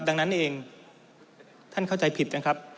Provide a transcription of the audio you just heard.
ดังนั้นเองท่านเข้าใจผิดนะครับ